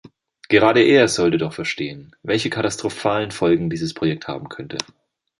Gerade er sollte doch verstehen, welche katastrophalen Folgen dieses Projekt haben könnte.